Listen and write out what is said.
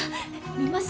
見ます？